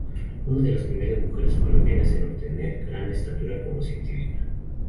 Una de las primeras mujeres colombianas en obtener gran estatura como científica.